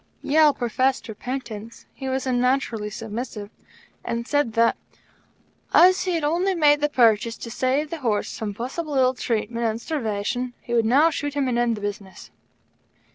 Yale professed repentance he was unnaturally submissive and said that, as he had only made the purchase to save the horse from possible ill treatment and starvation, he would now shoot him and end the business.